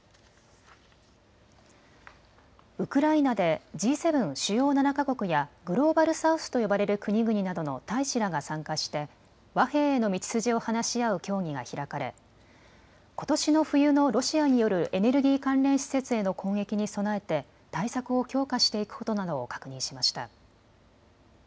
ウクライナでＧ７・主要７か国やグローバル・サウスと呼ばれる国々などの大使らが参加して和平への道筋を話し合う協議が開かれことしの冬のロシアによるエネルギー関連施設への攻撃に備えて対策を強化していくことなどを確認しました。